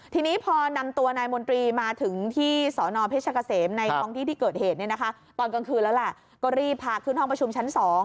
ทีนี้พอนำตัวนายมนตรีมาถึงที่สนเพชรเกษมในท้องที่ที่เกิดเหตุตอนกลางคืนแล้วแหละก็รีบพาขึ้นห้องประชุมชั้น๒